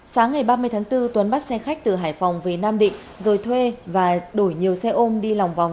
sáng ngày ba mươi tháng bốn tuấn bắt xe khách từ hải phòng về nam định rồi thuê và đổi nhiều xe ôm đi lòng vòng